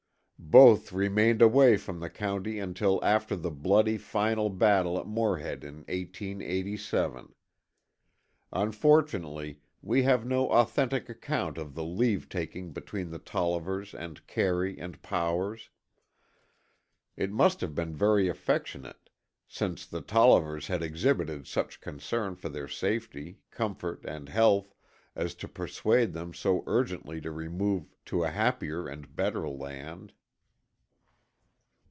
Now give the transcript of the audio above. Both remained away from the county until after the bloody, final battle at Morehead in 1887. Unfortunately, we have no authentic account of the leave taking between the Tollivers and Carey and Powers. It must have been very affectionate, since the Tollivers had exhibited such concern for their safety, comfort and health as to persuade them so urgently to remove to a happier and better land.